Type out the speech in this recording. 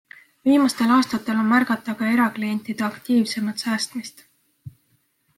Viimastel aastatel on märgata ka eraklientide aktiivsemat säästmist.